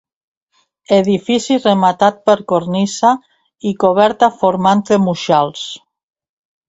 Edifici rematat per cornisa i coberta formant tremujals.